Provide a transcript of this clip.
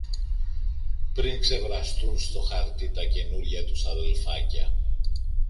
πριν ξεβραστούν στο χαρτί τα καινούρια τους αδελφάκια